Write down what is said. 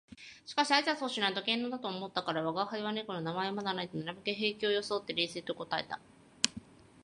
しかし挨拶をしないと険呑だと思ったから「吾輩は猫である。名前はまだない」となるべく平気を装って冷然と答えた